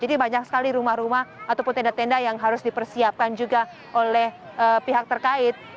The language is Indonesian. jadi banyak sekali rumah rumah ataupun tenda tenda yang harus dipersiapkan juga oleh pihak terkait